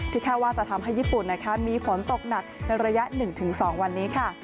แค่ว่าจะทำให้ญี่ปุ่นนะคะมีฝนตกหนักในระยะ๑๒วันนี้ค่ะ